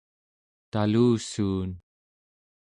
talussuun